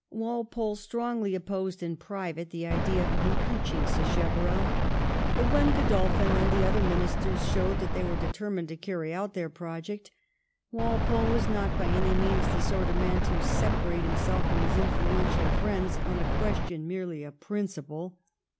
Walpole strongly opposed in private the idea of impeaching Sacheverell, but when Godolphin and the other Ministers showed that they were determined to carry out their project, Walpole was not by any means the sort of man to separate himself from his influential friends on a question merely of principle.